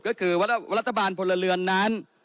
ก็คือว่าวัฒนประชาลผลเรือนนั้น